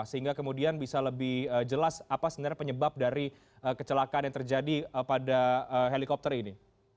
sehingga kemudian bisa lebih jelas apa sebenarnya penyebab dari kecelakaan yang terjadi pada helikopter ini